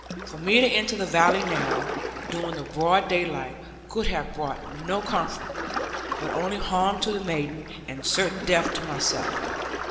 For me to enter the valley now, during the broad daylight, could have brought no comfort, but only harm to the maiden, and certain death to myself.